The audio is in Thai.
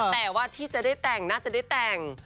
แต่ว่าที่จะได้แต่งน่าจะได้แต่ง